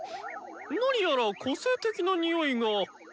何やら個性的なにおいが。